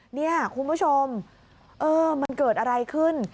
เนี่ยคุณผู้ชมเออมันเกิดอะไรขึ้น